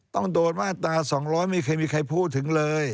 ต้องโดนมาตรา๒๐๐ไม่เคยมีใครพูดถึงเลย